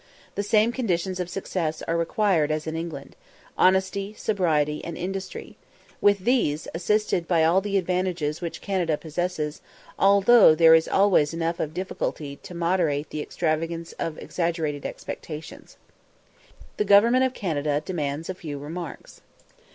The same conditions of success are required as in England honesty, sobriety, and industry; with these, assisted by all the advantages which Canada possesses, there is no man who need despair of acquiring independence and affluence, although there is always enough of difficulty to moderate the extravagance of exaggerated expectations. The Government of Canada demands a few remarks.